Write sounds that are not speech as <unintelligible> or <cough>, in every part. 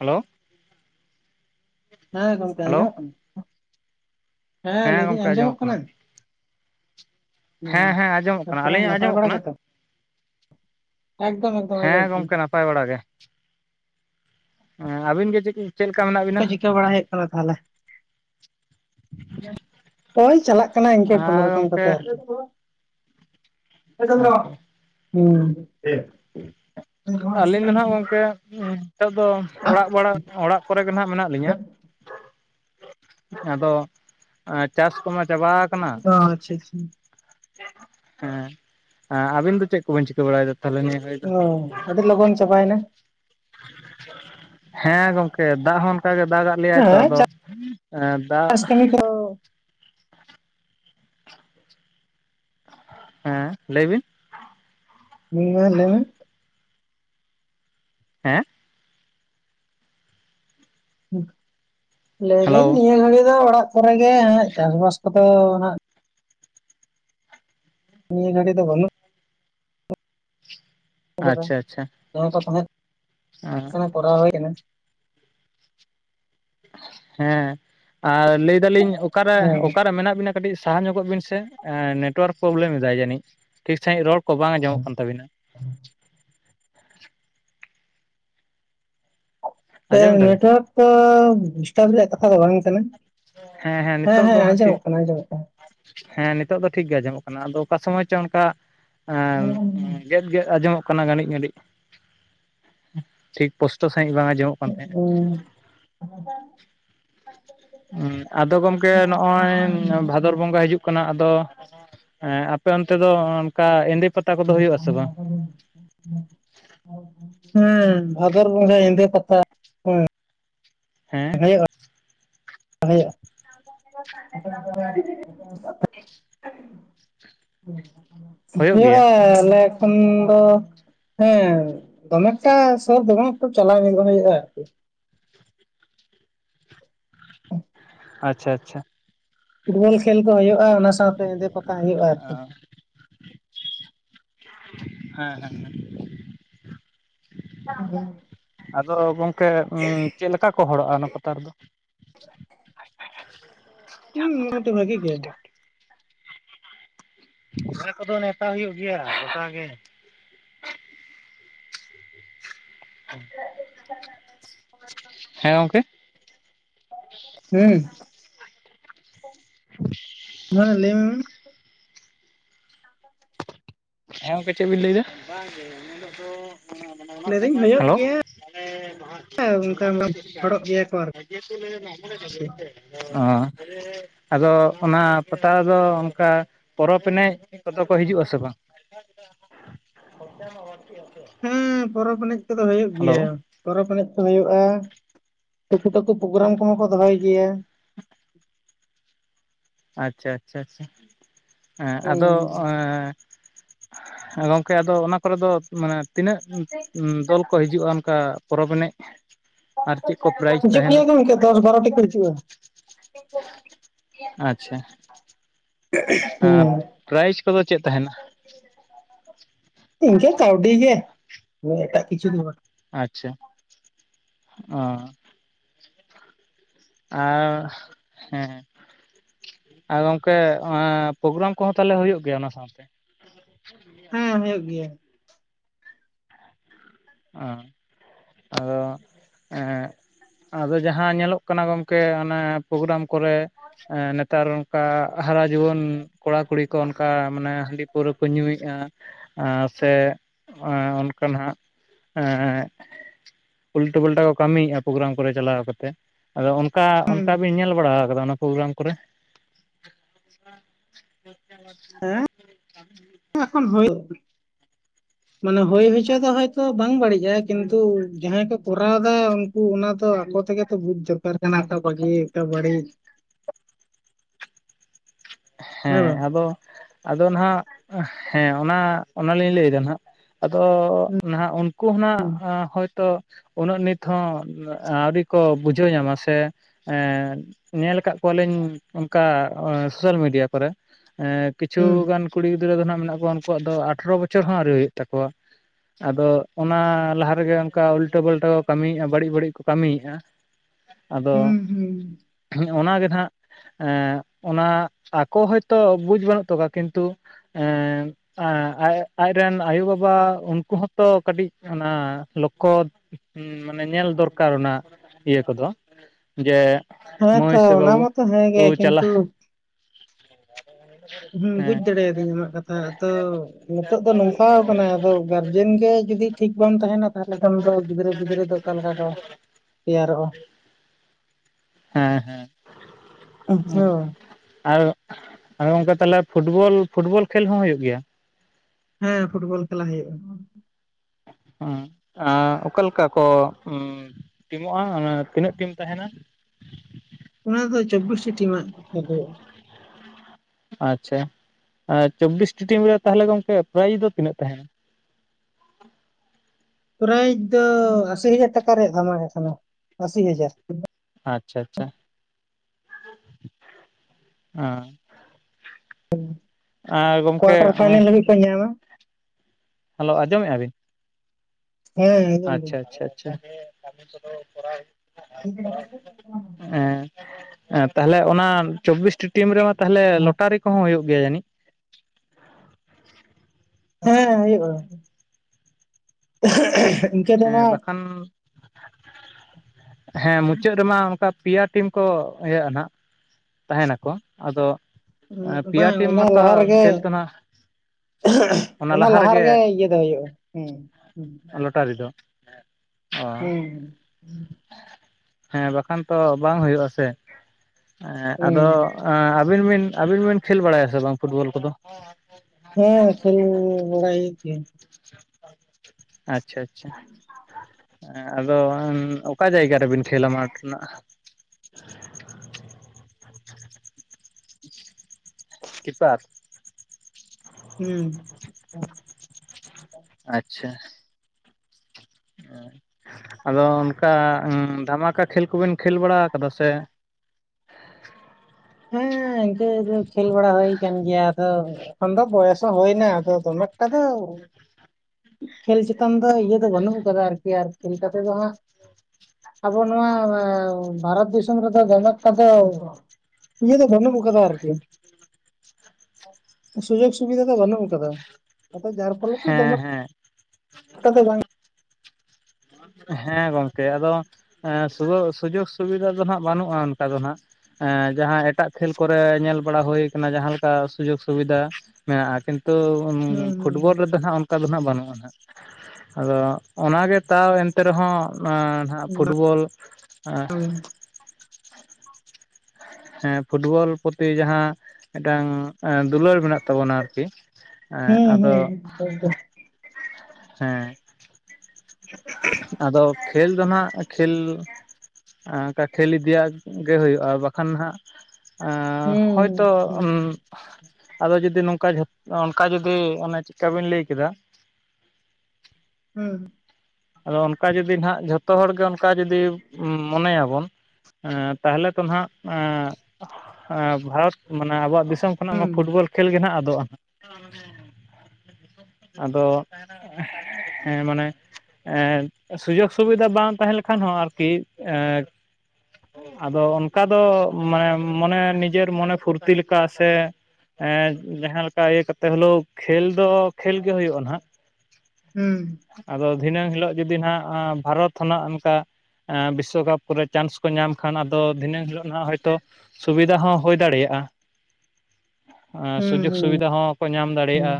Hello ᱦᱮᱸ ᱜᱚᱝᱠᱮ hello ᱟᱸᱡᱚᱢᱚᱜ ᱠᱟᱱᱟ ᱦᱮᱸ ᱞᱟᱹᱭᱫᱟᱹᱧ ᱟᱸᱡᱚᱢᱚᱜ ᱠᱟᱱᱟ? ᱦᱩᱸ ᱦᱮᱸ ᱦᱮᱸ ᱟᱸᱡᱚᱢᱚᱜ ᱠᱟᱱᱟ ᱛᱟᱯᱚᱨᱮ ᱟᱞᱤᱧᱟᱜ ᱱᱟᱯᱟᱭ ᱟᱸᱡᱚᱢᱚᱜ ᱵᱟᱲᱟ ᱠᱟᱱᱟ? ᱜᱮᱛᱚ ᱮᱠᱫᱚᱢ ᱮᱠᱫᱚᱢ ᱦᱮᱸ ᱟᱸᱡᱚᱢᱚᱜ ᱠᱟᱱᱟ ᱜᱚᱝᱠᱮ ᱱᱟᱯᱟᱭ ᱵᱟᱲᱟ ᱜᱮ ᱦᱮᱸ ᱟᱹᱵᱤᱱ ᱜᱮ ᱪᱮᱫ ᱠᱤᱝ ᱪᱮᱫ ᱞᱮᱠᱟ ᱢᱮᱱᱟᱜ ᱵᱤᱱᱟ ᱪᱮᱫ ᱪᱤᱠᱟᱹ ᱵᱟᱲᱟ ᱦᱩᱭᱩᱜ ᱠᱟᱱᱟ ᱛᱟᱦᱚᱞᱮ? ᱦᱳᱭ ᱪᱟᱞᱟᱜ ᱠᱟᱱᱟ ᱤᱱᱠᱟᱹ ᱠᱳᱱ ᱟᱨ ᱨᱚᱠᱚᱢ ᱜᱚᱢᱠᱮ ᱠᱟᱛᱮ ᱮᱭ ᱪᱚᱱᱫᱨᱚ ᱟᱪᱪᱷᱟ ᱦᱩᱸ ᱪᱮᱫ ᱟᱹᱞᱤᱧ ᱫᱚ ᱱᱟᱦᱟᱸᱜ ᱜᱚᱢᱠᱮ ᱱᱤᱛᱚᱜ ᱫᱚ ᱚᱲᱟᱜ ᱵᱟᱲᱟ ᱚᱲᱟᱜ ᱠᱚᱨᱮ ᱜᱮ ᱱᱟᱦᱟᱜ ᱢᱮᱱᱟᱜ ᱞᱤᱧᱟ᱾ ᱟᱫᱚ ᱪᱟᱥ ᱠᱚᱢᱟ ᱪᱟᱵᱟᱣ ᱚ ᱟᱪᱪᱷᱟ ᱟᱪᱪᱷᱟ ᱦᱮᱸ ᱮ ᱟᱵᱤᱱ ᱫᱚ ᱪᱮᱫ ᱠᱚᱵᱤᱱ ᱪᱤᱠᱟᱹ ᱵᱟᱲᱟᱭᱮᱫᱟ ᱛᱟᱦᱞᱮ ᱱᱤᱭᱟᱹ ᱜᱷᱟᱲᱤᱡ ᱫᱚ? ᱚ ᱟᱹᱰᱤ ᱞᱚᱜᱚᱱ ᱪᱟᱵᱟᱭᱮᱱᱟ ᱦᱮᱸ ᱜᱚᱝᱠᱮ ᱫᱟᱜ ᱦᱚᱸ ᱚᱱᱠᱟᱜᱮ ᱫᱟᱜᱟᱜ ᱞᱮᱭᱟᱭ ᱛᱚ ᱦᱮᱸ ᱟᱫᱚ ᱫᱟᱜ ᱪᱟᱥ ᱠᱟᱹᱢᱤ ᱠᱚ ᱦᱮᱸ ᱞᱮ ᱵᱤᱱ ᱦᱮ ᱢᱟ ᱞᱟᱹᱭ ᱢᱮ ᱦᱮᱸ ᱞᱟᱹᱭ ᱦᱮᱞᱳ ᱫᱟᱹᱧ ᱱᱤᱭᱟᱹ ᱜᱷᱟᱹᱲᱤᱡ ᱫᱚ ᱚᱲᱟᱜ ᱠᱚᱨᱮ ᱜᱮ ᱪᱟᱥ ᱵᱟᱥ ᱠᱚᱫᱚ ᱦᱟᱜ ᱱᱤᱭᱟ. ᱜᱷᱟᱹᱲᱤᱡ ᱫᱚ ᱵᱟᱱᱩᱜ ᱟᱪᱪᱷᱟ ᱟᱪᱪᱷᱟ ᱡᱟᱦᱟ ᱠᱚ ᱛᱟᱦᱮ ᱠᱟᱱᱟ ᱠᱚᱨᱟᱣ ᱦᱳᱭ ᱱᱟ ᱦᱮᱸ ᱟᱨ ᱞᱮᱭ ᱫᱟᱞᱤᱧ ᱚᱠᱟᱨᱮ ᱦᱮᱸ ᱚᱠᱟᱨᱮ ᱢᱮᱱᱟᱜ ᱵᱤᱱᱟ? ᱠᱟᱹᱴᱤᱡ ᱥᱟᱦᱟ ᱧᱚᱜᱚᱜ ᱵᱤᱱ ᱥᱮ ᱱᱮᱴᱚᱣᱟᱨᱠ ᱯᱨᱚᱵᱞᱮᱢ ᱮᱫᱟᱭ ᱡᱟᱹᱱᱤᱡ ᱴᱷᱤᱠ ᱥᱟᱺᱦᱤᱡ ᱨᱚᱲ ᱠᱚ ᱵᱟᱝ ᱟᱸᱡᱚᱢᱚᱜ ᱠᱟᱱ ᱛᱟᱹᱵᱤᱱᱟ᱾ ᱛᱮ ᱟᱸᱡᱚᱢ ᱫᱟᱵᱤᱱ ᱱᱮᱴᱚᱣᱟᱨᱠ ᱛᱚ ᱰᱤᱥᱴᱟᱵᱽ ᱨᱮᱭᱟᱜ ᱠᱟᱛᱷᱟ ᱛᱚ ᱵᱟᱝ ᱠᱟᱱᱟ᱾ ᱦᱮᱸ ᱱᱤᱛᱚᱜ ᱫᱚ ᱦᱮᱸ ᱦᱟᱸᱜ ᱴᱷᱤᱠ ᱟᱸᱡᱚᱢᱚᱜ ᱠᱟᱱᱟ ᱟᱸᱡᱚᱢᱚᱜ ᱠᱟᱱᱟ᱾ ᱦᱮᱸ ᱱᱤᱛᱚᱜ ᱫᱚ ᱴᱷᱤᱠᱜᱮ ᱟᱡᱚᱢᱟᱜ ᱠᱟᱱᱟ ᱟᱫᱚ ᱚᱠᱟ ᱥᱚᱢᱚᱭ ᱪᱚ ᱚᱱᱠᱟ ᱮᱸᱱ ᱜᱮᱫ ᱜᱮᱫ ᱟᱸᱡᱚᱢᱚᱜ ᱠᱟᱱᱟ ᱜᱟᱹᱰᱤᱡ ᱜᱟᱰᱤᱡ ᱴᱷᱤᱠ ᱯᱚᱥᱴᱚ ᱥᱟᱹᱦᱤᱡ ᱵᱟᱝ ᱟᱸᱡᱚᱢᱚᱜ ᱠᱟᱱ ᱛᱟᱦᱮᱸᱫ ᱚ᱾ ᱦᱩᱸ ᱟᱫᱚ ᱜᱚᱝᱠᱮ ᱱᱚᱸᱜᱼᱚᱭ ᱵᱷᱟᱫᱚᱨ ᱵᱚᱸᱜᱟ ᱦᱤᱡᱩᱜ ᱠᱟᱱᱟ ᱟᱫᱚ ᱟᱯᱮ ᱚᱱᱛᱮ ᱫᱚ ᱚᱱᱠᱟ ᱮᱸᱫᱮ ᱯᱟᱛ <inaudible> ᱦᱮᱸ ᱵᱷᱟᱫᱚᱨ ᱵᱚᱸᱜᱟ ᱮᱸᱫᱮ ᱯᱟᱛᱟ ᱦᱮᱸ ᱦᱮᱸ? ᱦᱩᱭᱩᱜᱼᱟ <unintelligible> ᱦᱩᱭᱩᱜ ᱜᱮᱭᱟ ᱦᱳᱭᱳᱜᱼᱟ ᱟᱞᱮᱠ ᱠᱷᱚᱱ ᱫᱚ ᱦᱮᱸ ᱫᱚᱢᱮ ᱮᱠᱴᱟ ᱥᱳᱨ ᱫᱚ ᱵᱟᱝ ᱮᱠᱴᱩ ᱪᱟᱞᱟᱣ ᱧᱚᱸᱜ-ᱚᱜ ᱦᱩᱭᱩᱜᱼᱟ ᱟᱨᱠᱤ᱾ <inaudible> ᱟᱪᱪᱷᱟ ᱟᱪᱪᱷᱟ᱾ ᱯᱷᱩᱴ ᱵᱚᱞ ᱠᱷᱮᱞ ᱠᱚ ᱦᱳᱭᱳᱜᱼᱟ᱾ ᱚᱱᱟ ᱥᱟᱶ ᱛᱮ ᱮᱸᱫᱮ ᱯᱟᱛᱟ ᱦᱩᱭᱩᱜᱼᱟ ᱟᱨᱠᱤ᱾ ᱦᱮᱸ ᱦᱮᱸ ᱦᱮᱸ᱾ <inaudible> ᱟᱫᱚ ᱜᱚᱝᱠᱮ ᱩᱸ ᱪᱮᱫ ᱞᱮᱠᱟ ᱠᱚ ᱦᱚᱲᱚᱜᱼᱟ ᱚᱱᱟ ᱯᱟᱛᱟ ᱨᱮᱫᱚ? <inaudible> ᱦᱩᱸ ᱢᱚᱴᱟ-ᱢᱩᱴᱤ ᱵᱷᱟᱹᱜᱮ ᱜᱮ᱾ ᱯᱮᱲᱟ ᱠᱚᱫᱚ ᱱᱮᱣᱛᱟ ᱦᱳᱭᱳᱜ ᱜᱮᱭᱟ ᱜᱚᱴᱟ ᱜᱮ ᱾ ᱚ᱾ <unintelligible> ᱦᱮᱸ ᱜᱚᱝᱠᱮ? ᱦᱩᱸ᱾ ᱡᱟᱸᱦᱟᱱᱟᱜ ᱞᱟᱹᱭ ᱢᱮ ᱢᱟ᱾ ᱦᱮᱸ ᱜᱚᱝᱠᱮ ᱪᱮᱫ ᱵᱤᱱ ᱞᱟᱹᱭ ᱫᱟ? ᱞᱟᱹᱭᱫᱟᱹᱧ ᱦᱩᱭᱩᱜ ᱦᱮᱞᱳ᱾ ᱜᱮᱭᱟ ᱥᱮ ᱱᱟᱦᱟᱸᱜ ᱦᱮᱸ ᱡᱮᱢᱚᱱ ᱚᱱᱠᱟ ᱱᱚᱣᱟ ᱫᱚ ᱪᱮᱫ ᱞᱮᱠᱟ ᱦᱚᱲᱚᱜ ᱜᱮᱭᱟ ᱠᱚ ᱟᱨᱠᱤ ᱡᱮ ᱦᱮᱛᱩ ᱢᱟᱜ-ᱢᱚᱬᱮ ᱛᱟᱵᱚᱱ ᱥᱮ, ᱚ᱾ ᱟᱫᱚ ᱚᱱᱟ ᱯᱟᱛᱟ ᱨᱮ ᱫᱚ ᱚᱱᱠᱟ ᱯᱚᱨᱚᱵᱽ ᱮᱱᱮᱡ ᱠᱚ ᱫᱚ ᱠᱚ ᱦᱤᱡᱩᱜᱼᱟ ᱥᱮ ᱵᱟᱝ? ᱠᱷᱚᱨᱪᱟ ᱢᱟ ᱵᱟᱲᱛᱤᱜ-ᱟ ᱥᱮ? ᱦᱮᱸ ᱯᱚᱨᱚᱵᱽ ᱮᱱᱮᱡ ᱠᱚᱫᱚ ᱦᱳᱭᱳᱜ ᱜᱮᱭᱟ᱾ ᱯᱚᱨᱚᱵᱽ ᱮᱱᱮᱡ ᱠᱚ ᱦᱳᱭᱳᱜᱼᱟ᱾ᱴᱩᱠᱩ, ᱴᱟᱠᱩ ᱛᱟᱠᱚ ᱯᱨᱳᱜᱨᱟᱢ ᱠᱚ ᱦᱚᱸ ᱠᱚ ᱫᱚᱦᱚᱭ ᱜᱮᱭᱟ᱾ ᱟᱪᱪᱷᱟ ᱟᱪᱪᱷᱟ ᱟᱪᱪᱷᱟ, ᱦᱮᱸ ᱟᱫᱚ ᱮᱸ ᱜᱚᱝᱠᱮ ᱟᱫᱚ ᱚᱱᱟ ᱠᱚ ᱨᱮ ᱫᱚ ᱢᱟᱱᱮ ᱛᱤᱱᱟᱹᱜ ᱫᱚᱞ ᱠᱚ ᱦᱤᱡᱩᱜᱼᱟ ᱚᱱᱠᱟ ᱯᱚᱨᱚᱵᱽ ᱮᱱᱮᱡ? ᱟᱨ ᱪᱮᱫ ᱠᱚ ᱯᱨᱟᱭᱤᱡᱽ ᱦᱤᱡᱩᱜ ᱛᱟᱦᱮᱱᱟ? ᱜᱮᱭᱟ ᱠᱚ ᱜᱚᱝᱠᱮ ᱫᱚᱥ ᱵᱟᱨᱚ ᱴᱤ ᱠᱚ ᱦᱤᱡᱩᱜᱼᱟ᱾ ᱟᱪᱪᱷᱟ ᱦᱩᱸ᱾ ᱯᱨᱟᱭᱤᱡ ᱠᱚ ᱫᱚ ᱪᱮᱫ ᱛᱟᱦᱮᱸᱱᱟ? ᱤᱱᱠᱟᱹ ᱠᱟᱹᱣᱰᱤ ᱜᱮ, ᱮᱴᱟᱜ ᱠᱤᱪᱷᱩ ᱫᱚ ᱵᱟᱝ ᱾ ᱟᱪᱪᱷᱟ ᱚ᱾ ᱟᱨ ᱦᱮᱸ᱾ ᱟ ᱜᱚᱝᱠᱮ ᱮᱸ ᱯᱨᱳᱜᱨᱟᱢ ᱠᱚ ᱦᱚᱸ ᱛᱟᱦᱞᱮ ᱦᱳᱭᱳᱜ ᱜᱮᱭᱟ ᱚᱱᱟ ᱥᱟᱶ ᱛᱮ? ᱦᱮᱸ ᱦᱳᱭᱳᱜ ᱜᱮᱭᱟ᱾ ᱚ ᱟᱫᱚ ᱮᱸᱻ ᱮᱸ ᱟᱫᱚ ᱡᱟᱦᱟᱸ ᱧᱮᱞᱚᱜ ᱠᱟᱱᱟ ᱜᱚᱝᱠᱮ ᱚᱱᱮ ᱯᱨᱳᱜᱨᱟᱢ ᱠᱚᱨᱮ ᱮᱸ ᱱᱮᱛᱟᱨ ᱚᱱᱠᱟ ᱦᱟᱨᱟ ᱡᱩᱣᱟᱹᱱ ᱠᱚᱲᱟ ᱠᱩᱲᱤ ᱠᱚ ᱚᱱᱠᱟ, ᱢᱟᱱᱮ ᱦᱟᱺᱰᱤ ᱯᱟᱹᱣᱨᱟᱹ ᱠᱚ ᱧᱩᱭᱮᱜ-ᱟ᱾ ᱮᱸ ᱥᱮ ᱮᱸ ᱚᱱᱠᱟ ᱱᱟᱸᱜ ᱮᱻᱩᱞᱴᱟᱹ ᱯᱟᱞᱴᱟ ᱠᱚ ᱠᱟᱹᱢᱤᱭᱮᱜᱼᱟ, ᱯᱨᱳᱜᱨᱟᱢ ᱠᱚᱨᱮ ᱪᱟᱞᱟᱣ ᱠᱟᱛᱮᱜ᱾ ᱟᱫᱚ ᱚᱱ ᱚᱱᱠᱟ ᱦᱮᱸ ᱚᱱᱠᱟ ᱵᱤᱱ ᱧᱮᱞ ᱵᱟᱲᱟ ᱟᱠᱟᱫᱟ ᱚᱱᱟ ᱯᱨᱳᱜᱨᱟᱢ ᱠᱚᱨᱮ? <unintelligible> ᱮᱠᱷᱚᱱ ᱦᱳᱭ, ᱢᱟᱱᱮ ᱦᱳᱭ ᱦᱚᱪᱚ ᱫᱚ ᱦᱳᱭ ᱛᱚ ᱵᱟᱝ ᱵᱟᱟᱹᱲᱤᱡᱼᱟ? ᱠᱤᱱᱛᱩ ᱡᱟᱦᱟᱸᱭ ᱠᱚ ᱠᱚᱨᱟᱣ ᱫᱟ ᱩᱱᱠᱩ ᱚᱱᱟ ᱫᱚ ᱟᱠᱚ ᱛᱮᱜᱮ ᱛᱚ ᱵᱩᱡ ᱫᱚᱨᱠᱟᱨ ᱠᱟᱱᱟ ᱚᱠᱟ ᱵᱷᱟᱹᱜᱤᱼᱼ ᱛᱚ ᱵᱟᱹᱲᱤᱡᱽ᱾ ᱦᱮᱸ ᱟᱫᱚ ᱟᱫᱚ ᱱᱟᱦᱟᱜ ᱦᱮᱸ ᱚᱱᱟ ᱚᱱᱟᱞᱤᱧ ᱞᱟᱹᱭ ᱫᱟ ᱱᱟᱦᱟᱜ, ᱟᱫᱚ ᱱᱟᱦᱟᱜ ᱩᱱ ᱩᱱᱠᱩ ᱦᱚᱸ ᱱᱟᱦᱟᱜ ᱦᱚᱭᱛᱚ ᱩᱱᱟᱹᱜ ᱱᱤᱛ ᱦᱚᱸ ᱟᱹᱣᱨᱤ ᱠᱚ ᱵᱩᱡᱷᱟᱹᱣ ᱧᱟᱢᱟ ᱥᱮ ᱮᱸᱻ ᱧᱮᱞ ᱠᱟᱜ ᱠᱚᱣᱟᱞᱤᱧ ᱚᱱᱠᱟ ᱥᱳᱥᱟᱞ ᱢᱤᱰᱤᱭᱟ ᱠᱚᱨᱮ ᱮ ᱦᱩᱸ ᱠᱤᱪᱷᱩ ᱜᱟᱱ ᱠᱩᱲᱤ ᱜᱤᱫᱽᱨᱟᱹ ᱫᱚ ᱱᱟᱸᱜ ᱢᱮᱱᱟᱜ ᱠᱚᱣᱟ ᱩᱱᱠᱩᱣᱟᱜ ᱫᱚ ᱟᱴᱷᱨᱚ ᱵᱚᱪᱷᱚᱨ ᱦᱚᱸ ᱟᱹᱣᱨᱤ ᱦᱩᱭᱩᱜ ᱛᱟᱠᱚᱣᱟ᱾ ᱟᱫᱚ ᱚᱱᱟ ᱞᱟᱦᱟ ᱨᱮᱜᱮ ᱚᱱᱠᱟ ᱩᱞᱴᱟᱹ ᱯᱟᱞᱴᱟ ᱠᱚ ᱠᱟᱢᱤᱭᱮᱜᱼᱟ, ᱵᱟᱹᱲᱤᱡᱽ ᱵᱟᱹᱲᱤᱡᱽ ᱠᱚ ᱠᱟᱢᱤᱭᱮᱜᱼᱟ ᱟᱫᱚ ᱦᱩᱸ ᱦᱩᱸ ᱚᱱᱟ ᱜᱮ ᱱᱟᱦᱟᱜ ᱮᱸᱻ ᱚᱱᱟ ᱟᱠᱚ ᱦᱳᱭᱛᱳ ᱵᱩᱡᱽ ᱵᱟᱹᱱᱩᱜ ᱛᱟᱠᱚᱣᱟ ᱠᱤᱱᱛᱩ ᱮᱸᱻ ᱟᱡ ᱟᱡᱨᱮᱱ ᱟᱭᱳ ᱵᱟᱵᱟ ᱩᱱᱠᱩ ᱦᱚᱸᱛᱚ ᱠᱟᱹᱴᱤᱡ ᱚᱱᱟ ᱞᱚᱠᱠᱷᱚ ᱦᱩᱸ ᱢᱟᱱᱮ ᱧᱮᱞ ᱫᱚᱨᱠᱟᱨ ᱚᱱᱟ ᱤᱭᱟᱹ ᱠᱚᱫᱚ᱾ ᱡᱮ ᱦᱮᱸ ᱢᱟᱹᱭ ᱛᱚ ᱥᱮ ᱚᱱᱟ ᱵᱟᱹᱵᱩ ᱢᱟᱛᱚ ᱦᱮᱸ ᱜᱮ ᱪᱟᱞᱟᱜ ᱠᱤᱱᱛᱩ <unintelligible> ᱦᱩᱸ ᱵᱩᱡ ᱫᱟᱲᱮᱭᱟᱫᱤᱧ ᱟᱢᱟᱜ ᱠᱟᱛᱷᱟ ᱛᱚᱻ ᱱᱤᱛᱚᱜ ᱫᱚ ᱱᱚᱝᱠᱟ ᱠᱟᱱᱟ ᱟᱫᱚ ᱜᱟᱨᱡᱮᱱ ᱜᱮ ᱡᱩᱫᱤ ᱴᱷᱤᱠ ᱵᱟᱢ ᱛᱟᱦᱮᱸᱱᱟ ᱛᱟᱦᱚᱞᱮ ᱠᱷᱟᱱ ᱫᱚ ᱜᱤᱫᱽᱨᱟᱹ ᱯᱤᱫᱽᱨᱟᱹ ᱫᱚ ᱚᱠᱟ ᱞᱮᱠᱟ ᱠᱚ ᱛᱮᱭᱟᱨᱚᱜᱼᱟ, ᱦᱮᱸ ᱦᱮᱸ ᱦᱮᱸ ᱟᱨ, ᱟᱫᱚ ᱜᱚᱢᱠᱮ ᱛᱟᱦᱞᱮ ᱯᱷᱩᱴᱵᱚᱞ ᱯᱷᱩᱴᱵᱚᱞ ᱠᱷᱮᱞ ᱦᱚᱸ ᱦᱩᱭᱩᱜ ᱜᱮᱭᱟ? ᱦᱮᱸ ᱯᱷᱩᱴᱵᱚᱞ ᱠᱷᱮᱞᱟ ᱦᱩᱭᱩᱜᱼᱟ, ᱮᱸ ᱚᱠᱟ ᱞᱮᱠᱟ ᱠᱚ ᱩᱸ ᱴᱤᱢᱚᱜᱼᱟ ᱚᱱᱟ ᱛᱤᱱᱟᱹᱜ ᱴᱤᱢ ᱛᱟᱦᱮᱱᱟ? ᱚᱱᱟ ᱫᱚ ᱪᱚᱵᱽᱵᱤᱥᱴᱤ ᱴᱤᱢᱟᱜ ᱠᱷᱮᱞ ᱦᱳᱭᱳᱜ-ᱟ᱾ ᱟᱪᱪᱷᱟ, ᱮᱸ ᱪᱚᱵᱽᱵᱤᱥ ᱴᱤᱢ ᱨᱮᱭᱟᱜ ᱛᱟᱦᱞᱮ ᱜᱚᱝᱠᱮ ᱯᱨᱟᱭᱤᱡᱽ ᱫᱚ ᱛᱤᱱᱟᱹᱜ ᱛᱟᱦᱮᱸᱱᱟ? ᱯᱨᱟᱭᱤᱡᱽ ᱫᱚ ᱟᱥᱤ ᱦᱟᱡᱟᱨ ᱴᱟᱠᱟ ᱨᱮᱭᱟᱜ ᱫᱷᱟᱢᱟᱠᱟ ᱠᱟᱱᱟ ᱟᱥᱤ ᱦᱟᱡᱟᱨ᱾ ᱟᱪᱪᱷᱟ ᱟᱪᱪᱷᱟ ᱚᱸ᱾ ᱟᱨ ᱜᱚᱝᱠᱮ ᱠᱚᱣᱟᱴᱟᱨ ᱯᱷᱟᱭᱱᱮᱞ ᱦᱟᱹᱵᱤᱡᱽ ᱠᱚ ᱧᱟᱢᱟ᱾ ᱦᱮᱞᱳ ᱟᱸᱡᱚᱢᱮᱜᱼᱟ ᱵᱤᱱ? ᱦᱮᱸ ᱟᱸᱡᱚᱢ ᱟᱪᱪᱷᱟ ᱫᱟᱹᱧ ᱟᱪᱪᱷᱟ ᱟᱪᱪᱷᱟ᱾ ᱠᱟᱹᱢᱤ ᱥᱚᱢᱚᱭ ᱠᱚᱨᱟᱣ ᱟᱨ ᱠᱚᱨᱟᱣ ᱞᱟᱹᱜᱤᱫ ᱮᱸ ᱮ ᱛᱟᱦᱞᱮ ᱚᱱᱟ ᱪᱚᱵᱵᱤᱥᱴᱤ ᱴᱤᱢ ᱨᱮᱢᱟ ᱛᱟᱦᱞᱮ ᱞᱚᱴᱟᱨᱤ ᱠᱚᱦᱚᱸ ᱦᱩᱭᱩᱜ ᱜᱮᱭᱟ ᱡᱟᱹᱱᱤᱡ? ᱦᱮᱸ ᱦᱩᱭᱩᱜᱼᱟ᱾ <unintelligible> ᱦᱮᱸ ᱵᱟᱠᱷᱟᱱ ᱦᱮᱸ ᱢᱩᱪᱟᱹᱫ ᱨᱮᱢᱟ ᱚᱱᱠᱟ ᱯᱮᱭᱟ ᱴᱤᱢ ᱠᱚ ᱤᱭᱟᱹᱜᱼᱟ ᱱᱟᱦᱟᱸᱜ ᱛᱟᱦᱮᱸᱱᱟᱠᱚ ᱟᱫᱚ ᱯᱤᱭᱟ ᱵᱟᱝ ᱴᱤᱢ ᱚᱱᱟ ᱢᱟᱛᱚ ᱞᱟᱦᱟ ᱨᱮᱜᱮ ᱠᱷᱮᱞ ᱫᱚ ᱱᱟᱸᱜ ᱚᱱᱟ ᱞᱟᱦᱟ ᱨᱮᱜᱮ ᱤᱭᱟᱹ ᱫᱚ ᱦᱩᱭᱩᱜᱼᱟ, ᱦᱩᱸ ᱦᱩᱸ᱾ ᱞᱚᱴᱟᱨᱤ ᱫᱚᱼᱼ ᱦᱮᱸ ᱦᱮᱸ ᱵᱟᱠᱷᱟᱱ ᱛᱚ ᱵᱟᱝ ᱦᱩᱭᱩᱜ ᱟᱥᱮ, ᱮ ᱟᱫᱚᱼᱼ ᱦᱮᱸ ᱮ ᱟᱵᱤᱱ ᱵᱤᱱ ᱟᱵᱤᱱ ᱵᱤᱱ ᱠᱷᱮᱞ ᱵᱟᱲᱟᱭᱟ ᱥᱮ ᱵᱟᱝ ᱯᱷᱩᱴᱵᱚᱞ ᱠᱚ ᱫᱚ? ᱦᱮ ᱠᱷᱮᱞ ᱵᱟᱲᱟᱭ ᱦᱳᱭᱳᱜ ᱜᱮᱭᱟ᱾ ᱟᱪᱪᱷᱟ ᱟᱪᱪᱷᱟ, ᱮ ᱟᱫᱚᱼᱼ ᱚᱠᱟ ᱡᱟᱭᱜᱟ ᱨᱮᱵᱤᱱ ᱠᱷᱮᱞᱟ ᱢᱟᱴ ᱨᱮᱱᱟᱜ? ᱠᱤᱯᱟᱨ᱾ ᱦᱩᱸ ᱟᱪᱪᱷᱟ᱾ ᱮ ᱟᱫᱚ ᱚᱱᱠᱟ ᱩ ᱫᱷᱟᱢᱟᱠᱟ ᱠᱷᱮᱞ ᱠᱚᱵᱤᱱ ᱠᱷᱮᱞ ᱵᱟᱲᱟ ᱠᱟᱫᱟ ᱥᱮ? ᱦᱮᱸ ᱤᱱᱠᱟᱹ ᱫᱚ ᱠᱷᱮᱞ ᱵᱟᱲᱟ ᱦᱩᱭ ᱠᱟᱱ ᱜᱮᱭᱟ ᱟᱫᱚᱼᱼ ᱟᱱ ᱫᱚ ᱵᱚᱭᱚᱥ ᱦᱩᱭᱱᱟ ᱟᱫᱚ ᱫᱚᱢᱮᱠᱴᱟ ᱫᱚ ᱠᱷᱮᱞ ᱪᱮᱛᱟᱱ ᱫᱚ ᱤᱭᱟᱹ ᱫᱚ ᱵᱟᱹᱱᱩᱜ ᱠᱟᱫᱟ ᱟᱨᱠᱤ ᱟᱨ ᱠᱷᱮᱞ ᱠᱟ ᱠᱟᱛᱮᱫ ᱫᱚ ᱦᱟᱸᱜ, ᱟᱵᱚ ᱱᱚᱣᱟ ᱵᱷᱟᱨᱚᱛ ᱫᱤᱥᱚᱢ ᱨᱮᱫᱚ ᱫᱚᱢᱮ ᱮᱠᱴᱟ ᱫᱚ ᱤᱭᱟᱹ ᱫᱚ ᱵᱟᱹᱱᱩᱜ ᱟᱠᱟᱫᱟ ᱟᱨᱠᱤ, ᱥᱩᱡᱳᱜᱽ ᱥᱩᱵᱤᱫᱷᱟ ᱫᱚ ᱵᱟᱹᱱᱩᱜ ᱟᱠᱟᱫᱟ᱾ ᱟ ᱡᱟᱨ ᱯᱷᱚᱞᱮᱛᱮ ᱫᱚᱢᱮ ᱦᱮᱸ ᱦᱮᱸ <unintelligible> ᱦᱮᱸ ᱜᱚᱝᱠᱮ ᱟᱫᱚ᱾ ᱦᱮᱸ ᱥᱩᱡᱳᱜ ᱥᱩᱵᱤᱫᱷᱟ ᱫᱚ ᱦᱟᱸᱜ ᱵᱟᱹᱱᱩᱜᱼᱟ ᱚᱱᱠᱟ ᱫᱚ ᱦᱟᱸᱜ᱾ ᱡᱟᱦᱟᱸ ᱮᱴᱟᱜ ᱠᱷᱮᱞ ᱠᱚᱨᱮ ᱧᱮᱞ ᱵᱟᱲᱟ ᱦᱩᱭ ᱠᱟᱱᱟ ᱡᱟᱦᱟ ᱞᱮᱠᱟ ᱥᱩᱡᱳᱜ ᱥᱩᱵᱤᱫᱷᱟ᱾ ᱢᱮᱱᱟᱜᱼᱟ ᱠᱤᱱᱛᱩ ᱦᱩᱸ ᱯᱷᱩᱴᱵᱚᱞ ᱨᱮ ᱚᱱᱠᱟ ᱫᱚ ᱦᱟᱸᱜ ᱵᱟᱹᱱᱩᱜᱼᱟ ᱱᱟᱜ, ᱟᱫᱚ ᱚᱱᱟᱜᱮ ᱛᱟᱣ ᱮᱱᱛᱮ ᱨᱮᱦᱚᱸ ᱯᱷᱩᱴᱵᱚᱞ ᱮᱸ, ᱦᱩᱸ ᱦᱮᱸ ᱯᱷᱩᱴᱵᱚᱞ ᱯᱩᱛᱤ ᱡᱟᱦᱟᱸ ᱢᱤᱫᱴᱟᱝ, ᱫᱩᱞᱟᱹᱲ ᱢᱮᱱᱟᱜ ᱛᱟᱵᱚᱱᱟ ᱟᱨᱠᱤ ᱦᱮᱸ ᱟᱫᱚ ᱦ <unintelligible> ᱦᱮᱸ <unintelligible> ᱟᱫᱚ ᱠᱷᱮᱞ ᱫᱚ ᱦᱟᱜ ᱠᱷᱮᱞ ᱚᱱᱠᱟ ᱠᱷᱮᱞ ᱤᱫᱤᱭᱤᱭᱟ ᱜᱮ ᱦᱩᱭᱩᱜᱼᱟ ᱵᱟᱠᱷᱟᱱ ᱦᱟᱸᱜ, ᱟ ᱦᱩᱸ ᱦᱚᱭᱛᱚ ᱦᱩᱸ ᱟᱫᱚ ᱡᱩᱫᱤ ᱱᱚᱝᱠᱟ ᱚᱱᱠᱟ ᱡᱩᱫᱤ ᱚᱱᱮ ᱪᱮᱫᱠᱟ ᱵᱮᱤᱱ ᱞᱮᱭ ᱠᱮᱫᱟ ᱦᱩᱸ ᱟᱫᱚ ᱚᱱᱠᱟ ᱡᱩᱫᱤ ᱱᱟᱜ ᱡᱷᱚᱛᱚ ᱦᱚᱲᱜᱮ ᱚᱱᱠᱟ ᱡᱩᱫᱤ ᱢᱚᱱᱮᱭᱟᱵᱚᱱ᱾ ᱮ ᱛᱟᱦᱟᱞᱮ ᱛᱚ ᱦᱟᱸᱜ ᱵᱷᱟᱨᱚᱛ ᱢᱟᱱᱮ ᱟᱵᱚᱣᱟᱜ ᱫᱤᱥᱚᱢ, ᱦᱩᱸ ᱠᱷᱚᱱᱟᱜ ᱦᱩᱸ ᱢᱟ ᱯᱷᱩᱴᱵᱚᱞ ᱠᱷᱮᱞ ᱜᱮ ᱱᱟᱦᱟᱜ ᱟᱫᱚᱜᱼᱟ ᱦᱟᱸᱜ᱾ ᱟᱫᱚ ᱦᱮᱸ ᱢᱟᱱᱮ ᱥᱩᱡᱳᱜᱽ ᱥᱩᱵᱤᱫᱷᱟ ᱵᱟᱝ ᱛᱟᱦᱮᱸ ᱞᱮᱠᱷᱟᱱ ᱦᱚᱸ ᱟᱨᱠᱤ ᱮ ᱟᱫᱚ ᱚᱱᱠᱟ ᱫᱚ ᱢᱟᱱᱮ ᱢᱚᱱᱮ ᱱᱤᱡᱮᱨ ᱢᱚᱱᱮ ᱯᱷᱩᱨᱛᱤ ᱞᱮᱠᱟ ᱥᱮ ᱮ ᱡᱟᱦᱟᱸ ᱞᱮᱠᱟ ᱤᱭᱟᱹ ᱠᱟᱛᱮᱜ ᱦᱳᱞᱳ ᱠᱷᱮᱞ ᱫᱚ ᱠᱷᱮᱞ ᱜᱮ ᱦᱩᱭᱩᱜᱼᱟ ᱱᱟᱦᱟᱜ᱾ ᱦᱩᱸ ᱟᱫᱚ ᱫᱷᱤᱱᱟᱹᱝ ᱦᱤᱞᱳᱜ ᱡᱩᱫᱤ ᱦᱟᱸᱱᱟᱜ ᱵᱷᱟᱨᱚᱛ ᱠᱷᱚᱱᱟᱜ ᱚᱱᱠᱟ, ᱵᱤᱥᱥᱚᱠᱟᱯ ᱠᱚᱨᱮ ᱪᱟᱱᱥ ᱠᱚ ᱧᱟᱢ ᱠᱷᱟᱱ ᱟᱫᱚ ᱫᱷᱤᱱᱟᱹᱝ ᱦᱤᱞᱳᱜ ᱱᱟᱜ ᱦᱚᱭᱛᱚ ᱥᱩᱵᱤᱫᱷᱟ ᱦᱚᱸ ᱦᱩᱭ ᱫᱟᱲᱮᱭᱟᱜᱼᱟ᱾ ᱮ ᱦᱩᱸ ᱥᱩᱡᱳᱜᱽ ᱦᱩᱸ ᱥᱩᱵᱤᱫᱷᱟ ᱦᱚᱸᱠᱚ ᱧᱟᱢ ᱫᱟᱲᱮᱭᱟᱜᱼᱟ᱾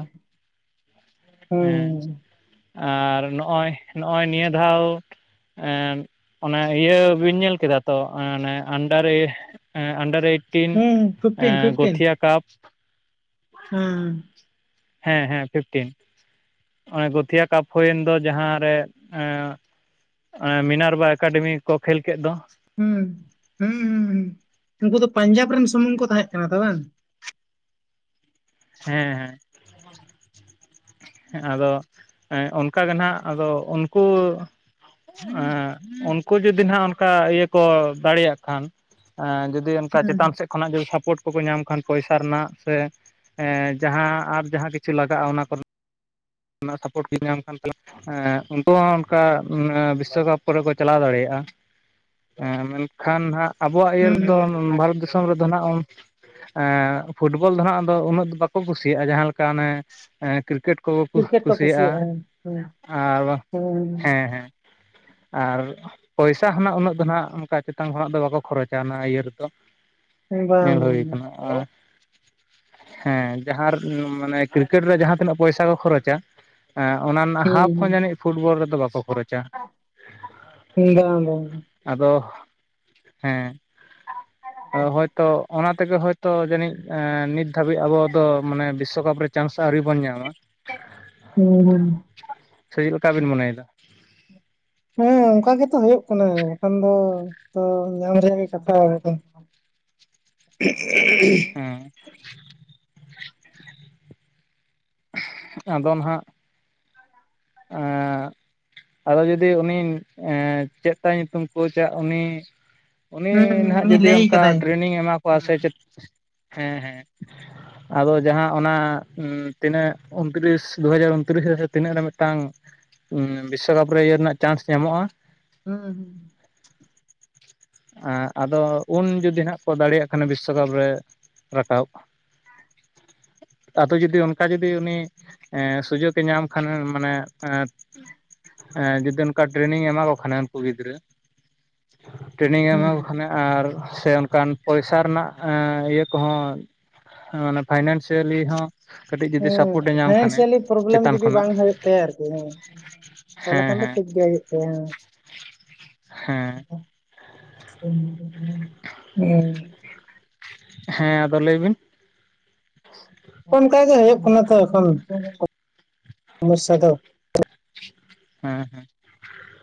ᱦᱮᱸ ᱟᱨ ᱱᱚᱜᱼᱚᱭ ᱱᱚᱜᱼᱚᱭ ᱱᱤᱭᱟᱹ ᱫᱷᱟᱣ, ᱮᱱ ᱤᱭᱟᱹ ᱵᱤᱱ ᱧᱮᱞ ᱠᱮᱫᱟ ᱛᱚ ᱚ-ᱱᱮ ᱟᱱᱰᱟᱨ ᱮ ᱮᱸ ᱟᱱᱰᱟᱨ ᱮᱭᱤᱴᱤᱱ ᱮᱸ ᱜᱳᱛᱷᱤᱭᱟ ᱠᱟᱯ᱾ ᱦᱩᱸ᱾ ᱦᱮᱸ ᱦᱮᱸ ᱯᱷᱤᱯᱴᱤᱱ᱾ ᱚᱱᱮ ᱜᱳᱛᱤᱭᱟ ᱠᱟᱯ ᱦᱩᱭᱳᱮᱱ ᱫᱚ ᱡᱟᱦᱟᱸᱨᱮ ᱮᱸ ᱮᱸ ᱢᱮᱱᱟᱨ ᱵᱟᱭ ᱮᱠᱟᱰᱮᱢᱤ ᱠᱚ ᱠᱷᱮᱞ ᱠᱮᱫ ᱫᱚ? ᱦᱩᱸ, ᱦᱩᱸ ᱦᱩᱸ ᱦᱩᱸ, ᱩᱱᱠᱩ ᱫᱚ ᱯᱟᱧᱡᱟᱵᱽ ᱨᱮᱱ ᱥᱩᱢᱩᱝ ᱠᱚ ᱛᱟᱦᱮᱸᱜ ᱠᱟᱱᱟ ᱛᱚ ᱵᱟᱝ? ᱦᱮᱸ ᱦᱮᱸ᱾ ᱦᱮᱸ ᱟᱫᱚ ᱚᱱᱠᱟ ᱜᱮ ᱱᱟᱦᱟᱜ ᱟᱫᱚ ᱩᱱᱠᱩ ᱮᱸ ᱩᱱᱠᱩ ᱡᱩᱫᱤ ᱱᱟᱦᱟᱜ ᱚᱱᱠᱟ ᱤᱭᱟ ᱠᱚ ᱫᱟᱲᱮᱭᱟᱜ ᱠᱷᱟᱱ᱾ ᱮᱸ ᱡᱩᱫᱤ ᱚᱱᱠᱟ ᱪᱮᱛᱟᱱ ᱥᱮᱫ ᱠᱷᱚᱱᱟᱜ ᱡᱩᱫᱤ ᱥᱟᱯᱳᱨᱴ ᱠᱚᱠᱚ ᱧᱟᱢ ᱠᱷᱟᱱ ᱯᱚᱭᱥᱟ ᱨᱮᱱᱟᱜ ᱥᱮ ᱮᱸ ᱡᱟᱦᱟᱸ ᱟᱨ ᱡᱟᱦᱟᱸ ᱠᱤᱪᱷᱩ ᱞᱟᱜᱟᱜᱼᱟ ᱚᱱᱟ ᱠᱚᱨᱮ ᱱᱟᱜ ᱥᱟᱯᱨᱚᱴ <inaudible> ᱛᱟᱞᱦᱮ ᱮᱸ ᱩᱱᱠᱩ ᱦᱚᱸ ᱚᱱᱠᱟ ᱮᱸ ᱵᱤᱥᱥᱚᱠᱟᱯ ᱠᱚᱨᱮ ᱠᱚ ᱪᱟᱞᱟᱣ ᱫᱟᱲᱮᱭᱟᱜᱼᱟ᱾ ᱮᱸ ᱢᱮᱱᱠᱷᱟᱱ ᱦᱟᱸᱜ ᱟᱵᱚᱣᱟᱜ ᱤᱭᱟᱹ ᱨᱮᱫᱚ ᱩᱸ ᱵᱷᱟᱨᱚᱛ ᱫᱤᱥᱚᱢ ᱨᱮᱫᱚ ᱱᱟᱦᱟᱜ ᱩᱱ ᱮᱸᱜ ᱯᱷᱩᱴᱵᱚᱞ ᱫᱚ ᱱᱟᱦᱟᱜ ᱟᱫᱚ ᱩᱱᱟᱹᱜ ᱫᱚ ᱵᱟᱠᱚ ᱠᱩᱥᱤᱭᱟᱜ-ᱟ ᱡᱟᱦᱟᱸ ᱞᱮᱠᱟ ᱚᱱᱮ ᱮᱸ ᱠᱨᱤᱠᱮᱴ ᱠᱚᱠᱚ ᱠᱩ ᱠᱩᱥᱤᱭᱟᱜ-ᱟ ᱟᱨ ᱵᱟᱷ, ᱦᱮᱸ ᱦᱮᱸ ᱟᱨ ᱯᱚᱭᱥᱟ ᱦᱚᱸ ᱱᱟᱜ ᱩᱱᱟᱹᱜ ᱫᱚ ᱱᱟᱜ ᱚᱱᱠᱟ ᱪᱮᱛᱟᱱ ᱠᱷᱚᱱᱟᱜ ᱫᱚ ᱵᱟᱠᱚ ᱠᱷᱚᱨᱚᱪᱟ ᱚᱱᱟ ᱤᱭᱟᱹ ᱨᱮᱫᱚ, ᱧᱮᱞ ᱦᱩᱭ ᱠᱟᱱᱟ ᱟᱨ ᱦᱮᱸ ᱡᱟᱦᱟᱨ ᱢᱟᱱᱮ ᱠᱨᱤᱠᱮᱴ ᱨᱮ ᱡᱟᱦᱟᱸ ᱛᱤᱱᱟᱹᱜ ᱯᱚᱭᱥᱟ ᱠᱚ ᱠᱷᱚᱨᱚᱪᱟ ᱮᱸ ᱚᱱᱟ ᱨᱮᱱᱟᱜ ᱦᱟᱯ ᱦᱚᱸ ᱡᱟᱹᱱᱤᱡ ᱯᱷᱩᱴᱵᱚᱞ ᱨᱮᱫᱚ ᱵᱟᱠᱚ ᱠᱷᱚᱨᱚᱪ <unintelligible> ᱟᱫᱚ, ᱦᱮᱸ᱾ ᱚ ᱦᱚᱭᱛᱚ ᱚᱱᱟ ᱛᱮᱜᱮ ᱦᱚᱭᱛᱚ ᱡᱟᱹᱱᱤᱡ ᱮᱸ ᱱᱤᱛ ᱫᱷᱟᱹᱵᱤᱡ ᱟᱵᱚ ᱫᱚ ᱢᱟᱱᱮ ᱵᱤᱥᱥᱚᱠᱟᱯ ᱨᱮ ᱪᱟᱱᱥ ᱟᱹᱣᱨᱤ ᱵᱚᱱ ᱧᱟᱢᱟ᱾ <inaudible> ᱥᱮ ᱪᱮᱫ ᱞᱮᱠᱟ ᱵᱤᱱ ᱢᱚᱱᱮᱭᱮᱫᱟ? ᱦᱮᱸ ᱚᱱᱠᱟ ᱜᱮᱛᱚ ᱦᱳᱭᱩᱴᱳᱜ ᱠᱟᱱᱟ ᱵᱟᱠᱷᱟᱱ ᱫᱚ ᱛᱚ ᱧᱟᱢ ᱨᱮᱭᱟᱜ ᱜᱮ ᱠᱟᱛᱷᱟ <inaudible> ᱦᱮᱸ᱾ ᱟᱫᱚ ᱱᱟᱦᱟᱜ ᱮᱸ ᱟᱫᱚ ᱡᱩᱫᱤ ᱩᱱᱤ ᱮᱸ ᱪᱮᱫ ᱛᱟᱭ ᱧᱩᱛᱩᱢ ᱠᱳᱪ ᱟᱜ ᱩᱱᱤ ᱩᱱᱤ ᱦᱩᱸ, ᱱᱟᱦᱟᱜ ᱩᱱᱤ ᱡᱩᱫᱤ ᱞᱟᱹᱭ ᱚᱱᱠᱟ ᱠᱟᱫᱟᱭ ᱴᱨᱮᱱᱤᱝ ᱮ ᱮᱢᱟ ᱠᱚᱣᱟ ᱥᱮ ᱦᱩᱸ ᱪᱮᱫ ᱦᱮᱸ ᱦᱮᱸ, ᱟᱫᱚ ᱡᱟᱦᱟᱸ ᱚᱱᱟ ᱩᱸ ᱛᱤᱱᱟᱹᱜ ᱩᱱᱛᱨᱤᱥ ᱫᱩ ᱦᱟᱡᱟᱨ ᱩᱱᱛᱨᱤᱥ ᱨᱮ ᱥᱮ ᱛᱤᱱᱟᱹᱜ ᱨᱮ ᱢᱤᱫᱴᱟᱝ ᱩᱸ ᱵᱤᱥᱥᱚᱠᱟᱯ ᱨᱮ ᱤᱭᱟᱹ ᱨᱮᱱᱟᱜ ᱪᱟᱱᱥ ᱧᱟᱢᱚᱜ-ᱟ, ᱦᱩᱸ ᱦᱩᱸ᱾ <unintelligible> ᱮᱸ ᱟᱫᱚ ᱩᱱ ᱡᱩᱫᱤ ᱱᱟᱦᱟᱜ ᱠᱚ ᱫᱟᱲᱮᱭᱟᱜ ᱠᱷᱟᱱ ᱵᱤᱥᱥᱚᱠᱟᱯ ᱨᱮ, ᱨᱟᱠᱟᱵ, ᱟᱫᱚ ᱡᱩᱫᱤ ᱚᱱ ᱠᱟ ᱡᱩᱫᱤ ᱩᱱᱤ ᱮᱸ ᱥᱩᱡᱳᱠᱮ ᱧᱟᱢ ᱠᱷᱟᱱ ᱢᱟᱱᱮ ᱮᱸ ᱮᱸ ᱡᱩᱫᱤ ᱚᱱᱠᱟ ᱴᱨᱮᱱᱤᱝ ᱮᱢᱟ ᱠᱚ ᱠᱷᱟᱱᱮ ᱩᱱᱠᱩ ᱜᱤᱫᱽᱨᱟᱹ, ᱴᱨᱮᱱᱤᱝᱮ ᱮᱢᱟ ᱦᱩᱸ ᱠᱚ ᱠᱷᱟᱱᱮ ᱟᱨ ᱥᱮ ᱚᱱᱠᱟᱱ ᱯᱚᱭᱥᱟ ᱨᱮᱱᱟᱜ ᱮᱸ ᱤᱭᱟᱹ ᱠᱚᱦᱚᱸ ᱚ ᱢᱟᱱᱮ ᱯᱷᱟᱭᱱᱟᱱᱥᱤᱭᱟᱞᱤ ᱦᱚᱸ ᱠᱟᱹᱴᱤᱡ ᱡᱩᱫᱤ ᱦᱮᱸ ᱥᱟᱯᱳᱨᱴ ᱮ ᱧᱟᱢ ᱠᱷᱟᱱᱮ ᱯᱷᱟᱭᱱᱮᱱᱥᱤᱭᱟᱞᱤ ᱯᱨᱚᱵᱞᱮᱢ ᱪᱮᱛᱟᱱ ᱡᱩᱫᱤ ᱠᱷᱚᱱᱟᱜ ᱵᱟᱝ ᱦᱳᱭᱳᱜ ᱛᱟᱭᱟ ᱟᱨᱠᱤ ᱦᱮᱸ, ᱛᱟᱦᱚᱞᱮ ᱦᱮᱸ ᱠᱷᱟᱱ ᱫᱚ ᱦᱮᱸ ᱴᱷᱤᱠ ᱜᱮᱭᱟ ᱦᱳᱭᱳᱜ ᱛᱟᱭᱟ ᱦᱮᱸ, ᱦᱮᱸ, <inaudible> ᱦᱮᱸ, ᱟᱫᱚ ᱞᱟᱹᱭ ᱵᱤᱱ? <unintelligible> ᱚᱝᱠᱟ ᱜᱮ ᱦᱳᱭᱳᱜ ᱠᱟᱱᱟ ᱛᱚ ᱮᱠᱷᱚᱱ ᱥᱚᱢᱚᱥᱥᱟ ᱫᱚ, ᱦᱮᱸ ᱦᱮᱸ,